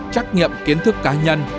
trắc nghiệm kiến thức cá nhân